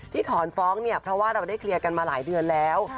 ถอนฟ้องเนี่ยเพราะว่าเราได้เคลียร์กันมาหลายเดือนแล้ว